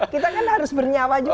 kita kan harus bernyawa juga